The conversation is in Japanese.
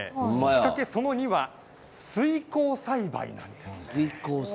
仕掛けその２は水耕栽培なんです。